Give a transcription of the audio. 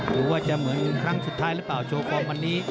หรือว่าจะเหมือนครั้งสุดท้ายหรือเปล่าโชว์ฟอร์มวันนี้